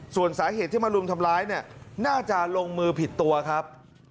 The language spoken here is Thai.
ส่วนสาเหตุที่มารุมทำร้ายเนี่ยน่าจะลงมือผิดตัวครับ